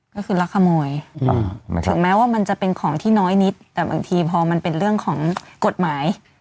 ก็คือรักขโมยถึงแม้ว่ามันจะเป็นของที่น้อยนิดแต่บางทีพอมันเป็นเรื่องของกฎหมาย